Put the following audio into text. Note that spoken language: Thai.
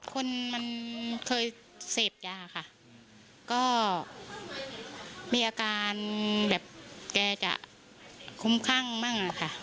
คนมันเคยเสพยามีอาการแบบแกจะคุ้มข้างมากค่ะ